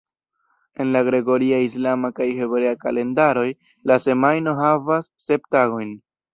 En la gregoria, islama kaj hebrea kalendaroj la semajno havas sep tagojn.